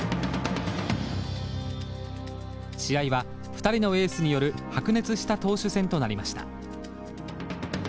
試合は２人のエースによる白熱した投手戦となりました。